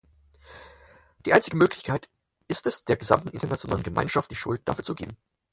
Die einzige Möglichkeit ist es, der gesamten internationalen Gemeinschaft die Schuld dafür zu geben.